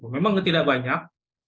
memang tidak banyak